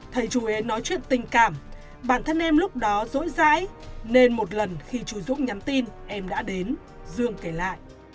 thầy chú ý nói chuyện tình cảm bản thân em lúc đó rỗi dãi nên một lần khi chú dũng nhắn tin em đã đến dương kể lại